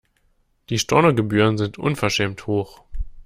Die Stornogebühren sind unverschämt hoch.